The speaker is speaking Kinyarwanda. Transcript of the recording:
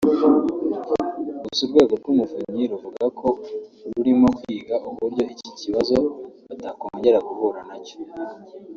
Gusa urwego rw’Umuvunyi ruvuga ko rurimo kwiga uburyo iki kibazo batakongera guhura na cyo